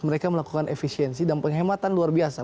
mereka melakukan efisiensi dan penghematan luar biasa